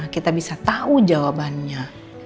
kita bisa tau jawabannya